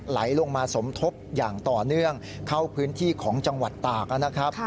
ไหลลงมาสมทบอย่างต่อเนื่องเข้าพื้นที่ของจังหวัดตากนะครับ